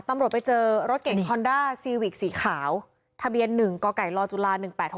ตำรวจไปเจอรถเก่งฮอนด้าซีวิกสีขาวทะเบียน๑กไก่ลจุฬา๑๘๖